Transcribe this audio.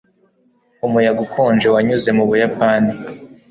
Umuyaga ukonje wanyuze mu Buyapani